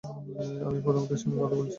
আমি প্রধানমন্ত্রীর সঙ্গে কথা বলেছি।